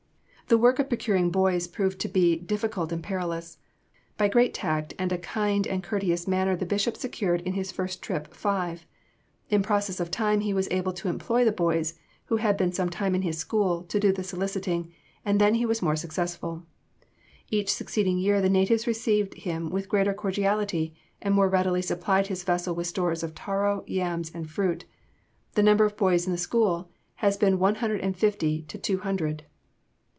The work of procuring boys proved to be difficult and perilous. By great tact and a kind and courteous manner the Bishop secured in his first trip five. In process of time he was able to employ the boys, who had been some time in his school, to do the soliciting, and then he was more successful. Each succeeding year the natives received him with greater cordiality, and more readily supplied his vessel with stores of taro, yams, and fruit. The number of boys in the school has been one hundred and fifty to two hundred.